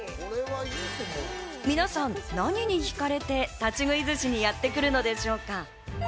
皆さん、何に惹かれて立ち食い寿司にやってくるのでしょうか。